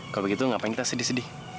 kalau begitu ngapain kita sedih sedih